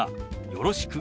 「よろしく」。